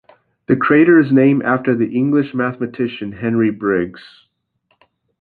The crater is named after the English mathematician Henry Briggs.